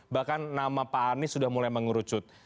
bahkan nama pak anies sudah mulai mengerucut